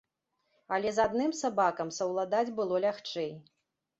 Але з адным сабакам саўладаць было лягчэй.